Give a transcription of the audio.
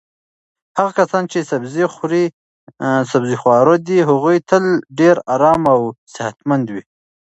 هغه کسان چې سبزي خور دي هغوی تل ډېر ارام او صحتمند وي.